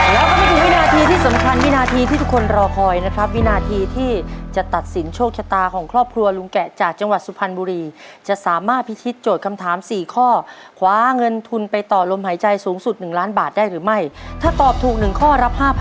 แล้วก็ไม่ถึงวินาทีที่สำคัญวินาทีที่ทุกคนรอคอยนะครับวินาทีที่จะตัดสินโชคชะตาของครอบครัวลุงแกะจากจังหวัดสุพรรณบุรีจะสามารถพิธีโจทย์คำถามสี่ข้อคว้าเงินทุนไปต่อลมหายใจสูงสุดหนึ่งล้านบาทได้หรือไม่ถ้าตอบถูกหนึ่งข้อรับ๕๐๐